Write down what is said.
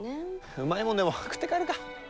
うまいもんでも食って帰るか。